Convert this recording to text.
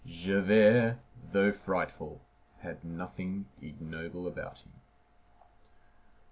Javert, though frightful, had nothing ignoble about him.